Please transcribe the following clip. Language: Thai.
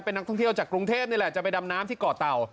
เป็นนักท่องเที่ยวจากกรุงเทพนี่แหละจะไปดำน้ำที่เกาะเต่า